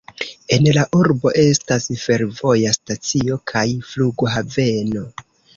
En la urbo estas fervoja stacio kaj flughaveno.